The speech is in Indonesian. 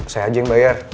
saya aja yang bayar